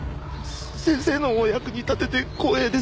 先生のお役に立てて光栄です。